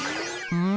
うん！